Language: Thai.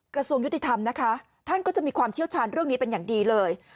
กระทรวงยุติธรรมนะคะท่านก็จะมีความเชี่ยวชาญเรื่องนี้เป็นอย่างดีเลย